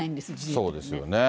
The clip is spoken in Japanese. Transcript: そうですよね。